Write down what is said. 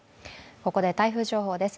ここで台風情報です。